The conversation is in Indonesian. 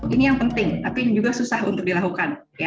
ini yang penting tapi juga susah untuk dilakukan